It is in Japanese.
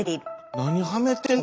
何はめてんの？